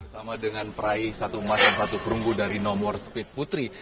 bersama dengan peraih satu masing masing perunggu dari nomor speed putri